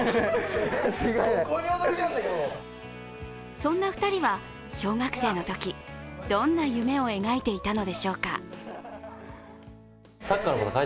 そんな２人は、小学生のとき、どんな夢を描いていたのでしょうか。